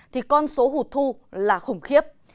thì con số hụt thu là khủng khiếp